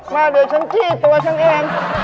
มาเดี๋ยวฉันจี้ตัวฉันเอง